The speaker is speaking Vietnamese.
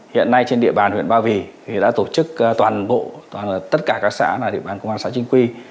hiện nay trên địa bàn huyện ba vỉ thì đã tổ chức toàn bộ toàn là tất cả các xã là địa bàn công an xã chính quy